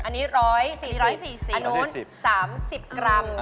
อันนี้๔๐๔ขนาดนั้น๓๐กรัม